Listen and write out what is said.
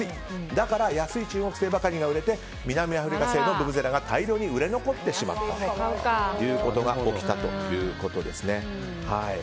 だから安い中国製ばかりが売れて南アフリカ製のブブゼラが大量に売れ残ってしまったということが起きたということです。